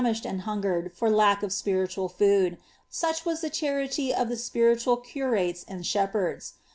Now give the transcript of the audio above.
^he<l and hungered for lack of spiritual fooil — such was the charity of the spiritual curates and shepherds.